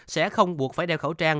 sẽ không buộc phải đeo khẩu trang